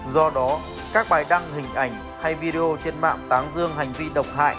do đó các bài đăng hình ảnh hay video trên mạng táng dương hành vi độc hại